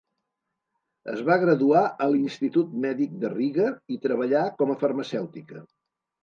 Es va graduar a l'Institut Mèdic de Riga, i treballà com a farmacèutica.